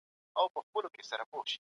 تاسي په دې برخه کي څه لاسته راوړنې لرئ؟